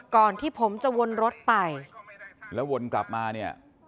ก่อนที่ผมจะวนรถไปแล้ววนกลับมาเนี่ย